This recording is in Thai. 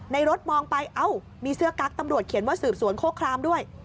รถมองไปเอ้ามีเสื้อกั๊กตำรวจเขียนว่าสืบสวนโคครามด้วย